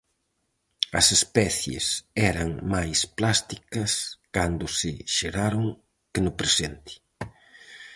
As especies eran máis plásticas cando se xeraron que no presente.